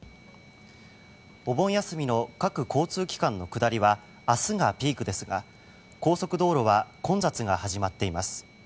お盆休みの各交通機関の下りは明日がピークですが高速道路は混雑が始まっています。